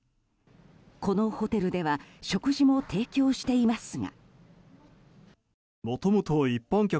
このホテルでは食事も提供していますが。